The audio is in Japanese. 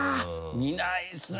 見ないっすね。